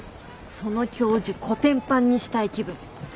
その教授コテンパンにしたい気分。